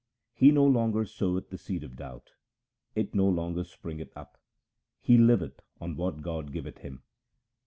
He no longer soweth the seed of doubt ; it no longer spring eth up ; he liveth on what God giveth him.